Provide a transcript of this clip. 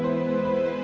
tidak ada yang lebih baik